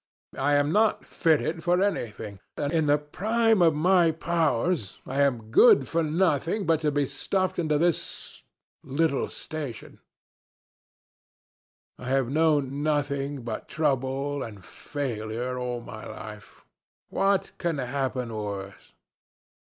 I am not fitted for anything, and in the prime of my powers I am good for nothing but to be stuffed into this little station; I have known nothing but trouble and failure all my life. What can happen worse?"